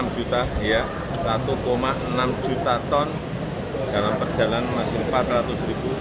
satu enam juta ton dalam perjalanan masih empat ratus ribu